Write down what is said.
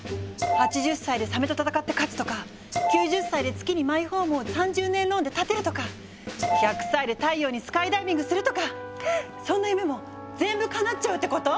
８０歳でサメと戦って勝つとか９０歳で月にマイホームを３０年ローンで建てるとか１００歳で太陽にスカイダイビングするとかそんな夢も全部かなっちゃうってこと？